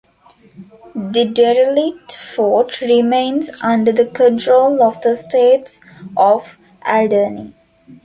The derelict fort remains under the control of the States of Alderney.